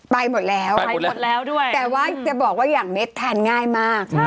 หมดแล้วไปหมดแล้วด้วยแต่ว่าจะบอกว่าอย่างเม็ดทานง่ายมาก